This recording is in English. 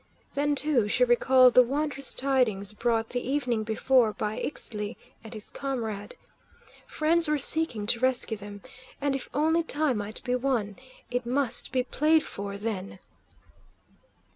Then, too, she recalled the wondrous tidings brought the evening before by Ixtli and his comrade. Friends were seeking to rescue them, and if only time might be won it must be played for, then!